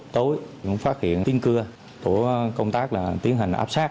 tối phát hiện tiếng cưa tổ công tác tiến hành áp sát